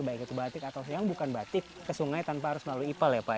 baik itu batik atau yang bukan batik ke sungai tanpa harus melalui ipal ya pak